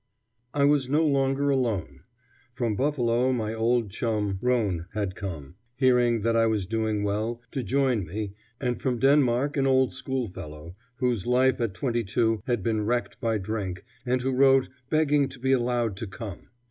I was no longer alone. From Buffalo my old chum Ronne had come, hearing that I was doing well, to join me, and from Denmark an old schoolfellow, whose life at twenty two had been wrecked by drink and who wrote begging to be allowed to come.